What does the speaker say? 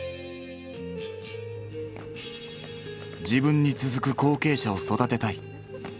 自分に続く後継者を育てたい。